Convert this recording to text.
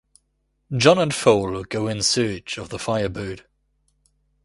John and Foal go in search of the Firebird.